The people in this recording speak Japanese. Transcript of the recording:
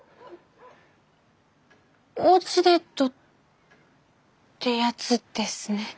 おうちデートってやつですね。